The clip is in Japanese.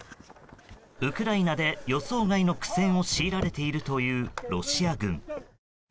ウクライナで予想外の苦戦を強いられているというロシア軍。